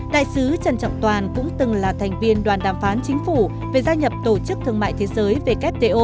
đại sứ trần trọng toàn cũng từng là thành viên đoàn đàm phán chính phủ về gia nhập tổ chức thương mại thế giới wto